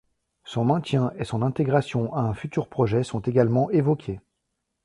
Son maintien et son intégration à un futur projet sont également évoqués.